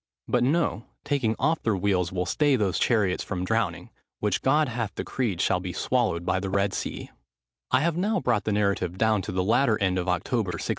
But, no taking off their wheels will stay those chariots from drowning, which God hath decreed shall be swallowed in the Red Sea." [Footnote 10: Book x. 35.] I have now brought the narrative down to the latter end of October, 1605.